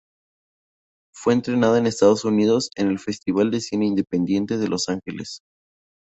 Fue estrenada en Estados Unidos en el Festival de cine independiente de Los Ángeles.